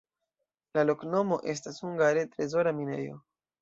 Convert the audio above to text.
La loknomo estas hungare trezora-minejo.